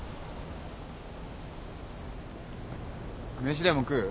飯でも食う？